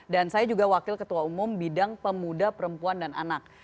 dan saya juga wakil ketua umum bidang pemuda perempuan dan anak